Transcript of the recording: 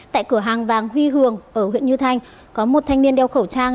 tại cửa hàng vàng huy hường ở huyện như thanh có một thanh niên đeo khẩu trang